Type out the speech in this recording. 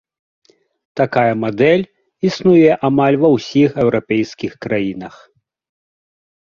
Такая мадэль існуе амаль ва ўсіх еўрапейскіх краінах.